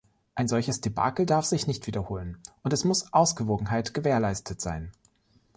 Ein solches Debakel darf sich nicht wiederholen, und es muss Ausgewogenheit gewährleistet sein.